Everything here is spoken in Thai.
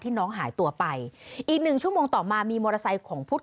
น้องหายตัวไปอีกหนึ่งชั่วโมงต่อมามีมอเตอร์ไซค์ของพุทธ